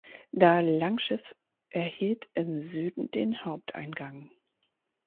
Da Langschiff erhielt im Süden den Haupteingang.